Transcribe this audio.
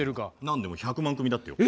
何でも１００万組だってよ。